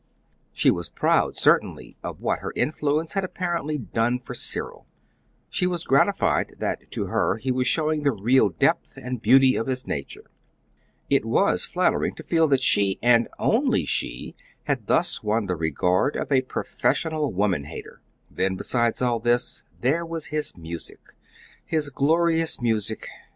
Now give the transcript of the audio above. She was proud, certainly, of what her influence had apparently done for Cyril. She was gratified that to her he was showing the real depth and beauty of his nature. It WAS flattering to feel that she, and only she, had thus won the regard of a professional woman hater. Then, besides all this, there was his music his glorious music.